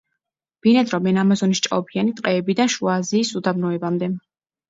ბინადრობენ ამაზონის ჭაობიანი ტყეებიდან შუა აზიის უდაბნოებამდე.